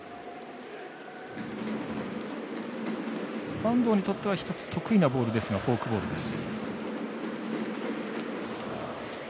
板東にとっては一つ得意なボールですがフォークボールです。